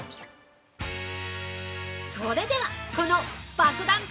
それでは、この爆弾